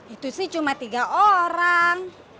itu sih cuma tiga orang